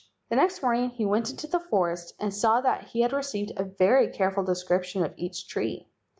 The next morning he went into the forest and saw that he had received a very careful description of each tree.